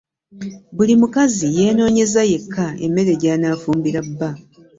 Buli mukazi yeenoonyeza yekka emmere gy'anaafumbira bba.